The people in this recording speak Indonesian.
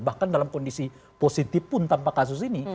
bahkan dalam kondisi positif pun tanpa kasus ini